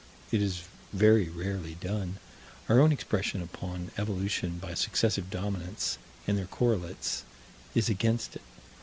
It is very rarely done. Our own expression upon evolution by successive dominants and their correlates is against it.